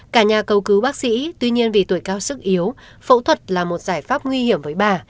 cả nhà cầu cứu bác sĩ tuy nhiên vì tuổi cao sức yếu phẫu thuật là một giải pháp nguy hiểm với bà